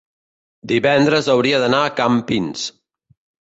divendres hauria d'anar a Campins.